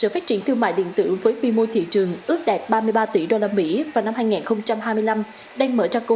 phát triển thương mại điện tử với quy mô thị trường ước đạt ba mươi ba tỷ usd vào năm hai nghìn hai mươi năm đang mở ra cơ